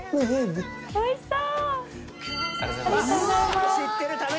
おいしそう！